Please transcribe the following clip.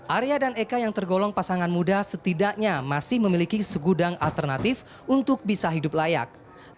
arya dan eka yang tergolong pasangan muda setidaknya masih memiliki segudang alternatif untuk bisa hidup layak